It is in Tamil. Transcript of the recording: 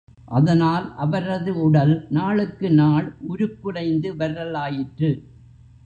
அதனால், அவரது உடல் நாளுக்கு நாள் உருக்குலைந்து வரலாயிற்று.